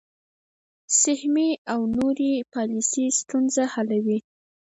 سهمیې او نورې پالیسۍ ستونزه حلوي.